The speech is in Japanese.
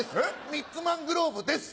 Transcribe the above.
ミッツ・マングローブです。